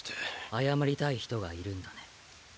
謝りたい人がいるんだね。